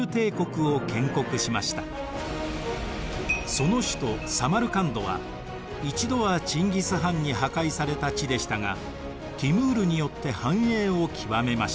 その首都サマルカンドは一度はチンギス・ハンに破壊された地でしたがティムールによって繁栄を極めました。